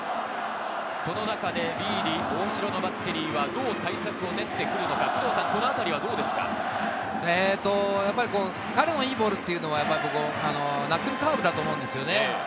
その中でビーディ、大城のバッテリーは、どう対策を練ってくるのか、このあたりはどやっぱり彼のいいボールというのは、ナックルカーブだと思うんです。